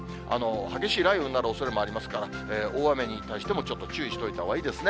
激しい雷雨になるおそれもありますから、大雨に対してもちょっと注意しておいたほうがいいですね。